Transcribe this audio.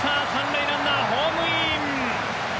３塁ランナーホームイン！